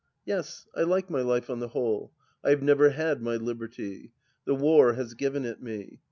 Yes, I like my life on the whole. I have never had my liberty. The war has given it me.